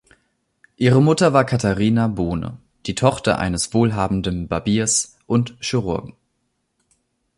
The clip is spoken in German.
Ihre Mutter war Catharina Bohne, die Tochter eines wohlhabenden Barbiers und Chirurgen.